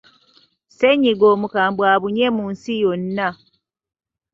Ssennyiga omukambwe abunye mu nsi yonna.